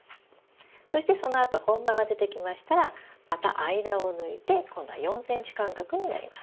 そしてそのあと本葉が出てきましたらまた間を抜いて今度は４ｃｍ間隔になります。